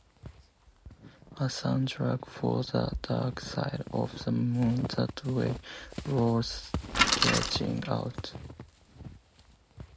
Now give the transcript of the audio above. A soundtrack for the dark side of the moon that's well worth searching out.